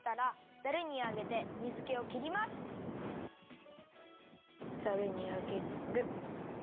ざるにあげる。